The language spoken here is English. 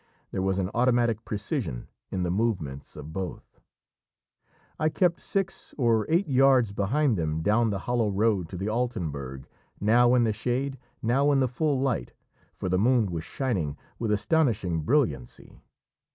There was an automatic precision in the movements of both. I kept six or eight yards behind them down the hollow road to the Altenberg, now in the shade, now in the full light, for the moon was shining with astonishing brilliancy.